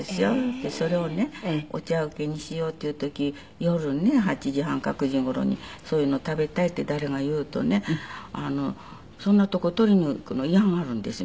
でそれをねお茶うけにしようっていう時夜ね８時半か９時頃にそういうの食べたいって誰か言うとねそんな所取りにいくの嫌がるんですよ